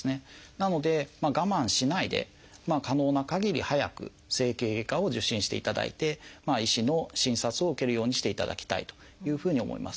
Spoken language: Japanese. なので我慢しないで可能な限り早く整形外科を受診していただいて医師の診察を受けるようにしていただきたいというふうに思います。